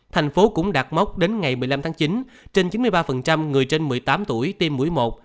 thành phố cũng đạt mốc đến ngày một mươi năm tháng chín trên chín mươi ba người trên một mươi tám tuổi tiêm mũi một